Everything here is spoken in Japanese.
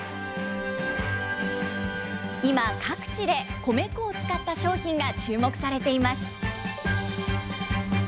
今、各地で米粉を使った商品が注目されています。